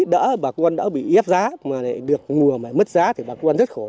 đỡ bà con đã bị ép giá mà được ngùa mà mất giá thì bà con rất khổ